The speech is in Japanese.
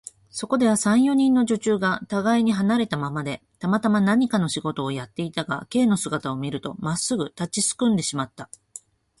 そこでは、三、四人の女中がたがいに離れたままで、たまたま何かの仕事をやっていたが、Ｋ の姿を見ると、まったく立ちすくんでしまった。